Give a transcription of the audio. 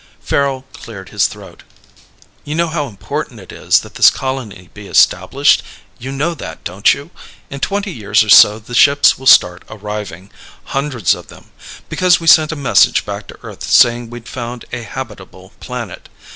Farrel cleared his throat. "You know how important it is that this colony be established? You know that, don't you? In twenty years or so the ships will start arriving. Hundreds of them. Because we sent a message back to Earth saying we'd found a habitable planet.